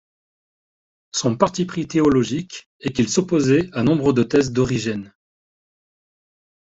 Son parti-pris théologique est qu'il s'opposait à nombre de thèses d'Origène.